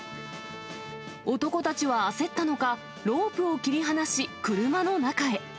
男たちは焦ったのか、ロープを切り離し、車の中へ。